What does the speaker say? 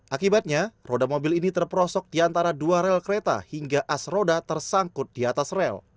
akibatnya roda mobil ini terperosok di antara dua rel kereta hingga as roda tersangkut di atas rel